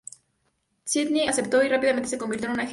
Sydney aceptó y rápidamente se convirtió en un agente.